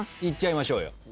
いっちゃいましょうよ。